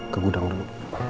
ke gudang dulu